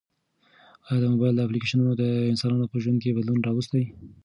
ایا د موبایل اپلیکیشنونه د انسانانو په ژوند کې بدلون راوستی؟